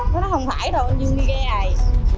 nó nói không phải đâu anh dương đi gai